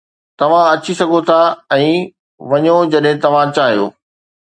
توهان اچي سگهو ٿا ۽ وڃو جڏهن توهان چاهيو